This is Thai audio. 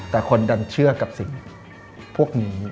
แต่คนดันเชื่อกับสิ่งพวกนี้